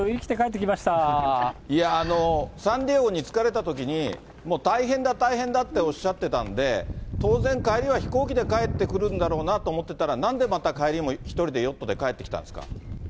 いやー、サンディエゴに着かれたときに、もう大変だ、大変だっておっしゃってたんで、当然、帰りは飛行機で帰ってくるんだろうなって思ってたら、なんでまた帰りも１人でヨットで帰ってきたんですか。